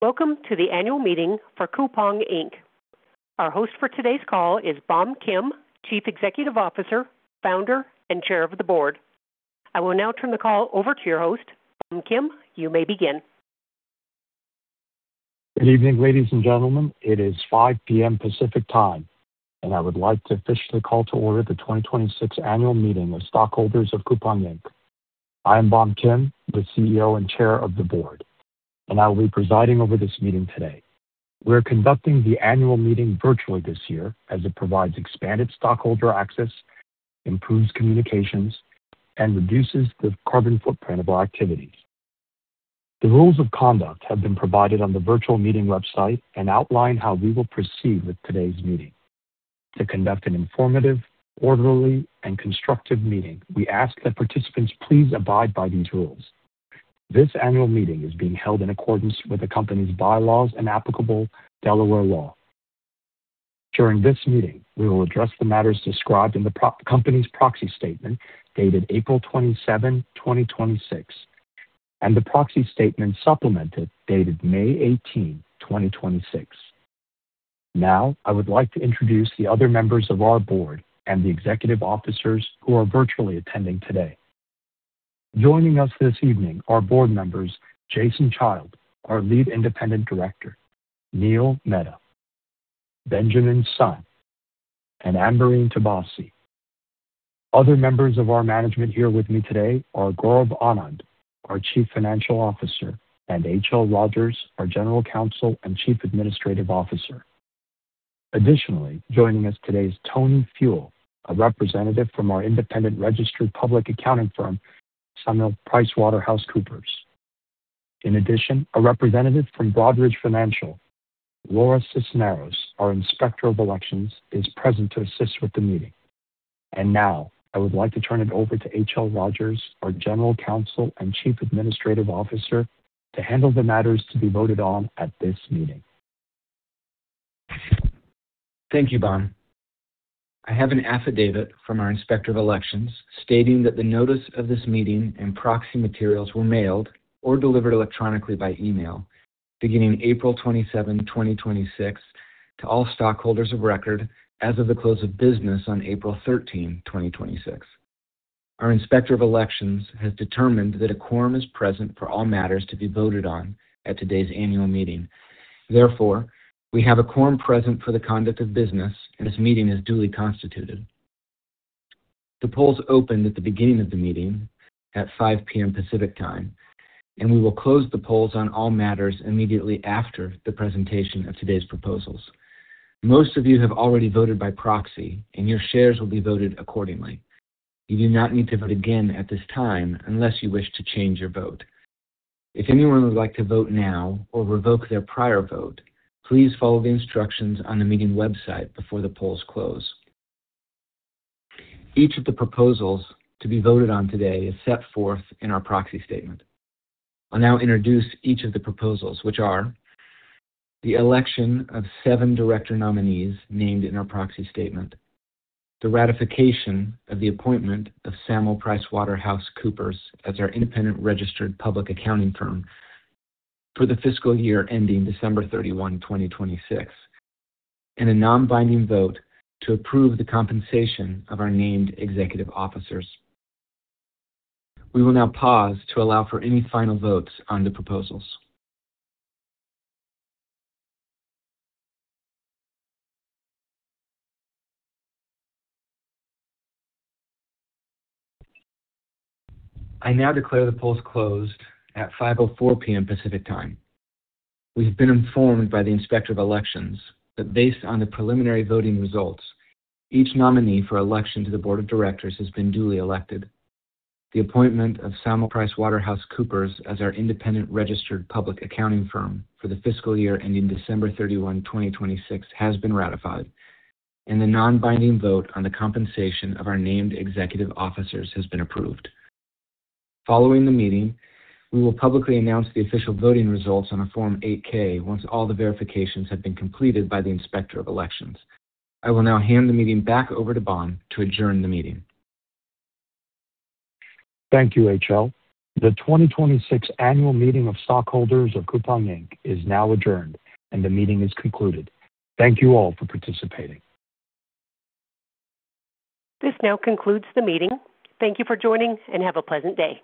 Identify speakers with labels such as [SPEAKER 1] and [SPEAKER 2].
[SPEAKER 1] Welcome to the annual meeting for Coupang, Inc. Our host for today's call is Bom Kim, Chief Executive Officer, Founder, and Chair of the Board. I will now turn the call over to your host. Bom Kim, you may begin.
[SPEAKER 2] Good evening, ladies and gentlemen. It is 5:00 P.M. Pacific Time. I would like to officially call to order the 2026 annual meeting of stockholders of Coupang, Inc. I am Bom Kim, the CEO and Chair of the Board, and I will be presiding over this meeting today. We are conducting the annual meeting virtually this year as it provides expanded stockholder access, improves communications, and reduces the carbon footprint of our activities. The rules of conduct have been provided on the virtual meeting website and outline how we will proceed with today's meeting. To conduct an informative, orderly, and constructive meeting, we ask that participants please abide by these rules. This annual meeting is being held in accordance with the company's bylaws and applicable Delaware law. During this meeting, we will address the matters described in the company's proxy statement dated April 27, 2026, and the proxy statement supplemented, dated May 18, 2026. Now, I would like to introduce the other members of our board and the executive officers who are virtually attending today. Joining us this evening are board members Jason Child, our Lead Independent Director, Neil Mehta, Benjamin Sun, and Ambereen Toubassy. Other members of our management here with me today are Gaurav Anand, our Chief Financial Officer, and H.L. Rogers, our General Counsel and Chief Administrative Officer. Additionally, joining us today is Tony Fewell, a representative from our independent registered public accounting firm, Samil PricewaterhouseCoopers. In addition, a representative from Broadridge Financial, Laura Cisneros, our Inspector of Elections, is present to assist with the meeting. I would like to turn it over to H.L. Rogers, our General Counsel and Chief Administrative Officer, to handle the matters to be voted on at this meeting.
[SPEAKER 3] Thank you, Bom. I have an affidavit from our Inspector of Elections stating that the notice of this meeting and proxy materials were mailed or delivered electronically by email beginning April 27, 2026, to all stockholders of record as of the close of business on April 13, 2026. Our Inspector of Elections has determined that a quorum is present for all matters to be voted on at today's annual meeting. Therefore, we have a quorum present for the conduct of business, and this meeting is duly constituted. The polls opened at the beginning of the meeting at 5:00 P.M. Pacific Time, and we will close the polls on all matters immediately after the presentation of today's proposals. Most of you have already voted by proxy, and your shares will be voted accordingly. You do not need to vote again at this time unless you wish to change your vote. If anyone would like to vote now or revoke their prior vote, please follow the instructions on the meeting website before the polls close. Each of the proposals to be voted on today is set forth in our proxy statement. I'll now introduce each of the proposals, which are the election of seven director nominees named in our proxy statement, the ratification of the appointment of Samil PricewaterhouseCoopers as our independent registered public accounting firm for the fiscal year ending December 31, 2026, and a non-binding vote to approve the compensation of our named executive officers. We will now pause to allow for any final votes on the proposals. I now declare the polls closed at 5:04 P.M. Pacific Time. We've been informed by the Inspector of Elections that based on the preliminary voting results, each nominee for election to the board of directors has been duly elected. The appointment of Samil PricewaterhouseCoopers as our independent registered public accounting firm for the fiscal year ending December 31, 2026, has been ratified, and the non-binding vote on the compensation of our named executive officers has been approved. Following the meeting, we will publicly announce the official voting results on a Form 8-K once all the verifications have been completed by the Inspector of Elections. I will now hand the meeting back over to Bom to adjourn the meeting.
[SPEAKER 2] Thank you, H.L. The 2026 annual meeting of stockholders of Coupang, Inc is now adjourned, and the meeting is concluded. Thank you all for participating.
[SPEAKER 1] This now concludes the meeting. Thank you for joining, and have a pleasant day.